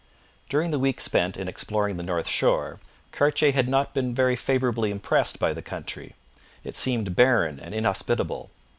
During the week spent in exploring the north shore, Cartier had not been very favourably impressed by the country. It seemed barren and inhospitable.